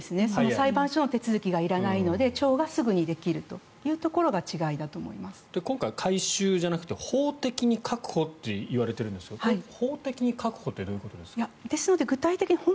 裁判所の手続きがいらないので町がすぐにできるというのが今回、回収じゃなくて法的に確保といわれているんですが法的に確保ってどういうことですか。